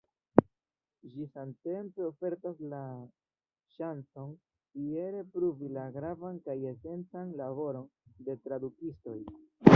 Ĝi samtempe ofertas la ŝancon fiere pruvi la gravan kaj esencan laboron de tradukistoj.